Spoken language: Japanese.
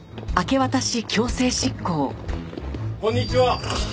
こんにちは。